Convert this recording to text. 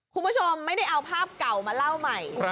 คุณผู้ชมไม่ได้เอาภาพเก่ามาเล่าใหม่